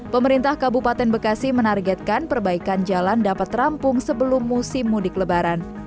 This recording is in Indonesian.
pemerintah kabupaten bekasi menargetkan perbaikan jalan dapat rampung sebelum musim mudik lebaran